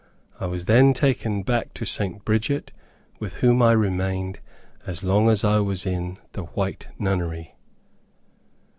I was then taken back to St. Bridget, with whom I remained, as long as I was in the White Nunnery.